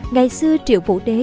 ngày xưa triệu vũ đế